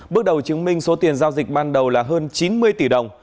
bước đầu chứng minh số tiền giao dịch ban đầu là hơn chín mươi tỷ đồng